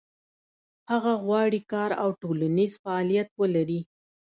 هغه غواړي کار او ټولنیز فعالیت ولري.